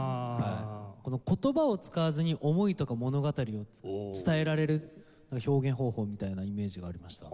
言葉を使わずに思いとか物語を伝えられる表現方法みたいなイメージがありました。